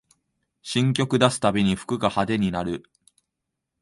新曲出すたびに服が派手になる